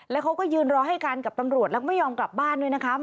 แล้วเขาก็ยืนรอให้กันกับตำรวจแล้วก็ไม่ยอมกลับบ้านด้วยนะคะ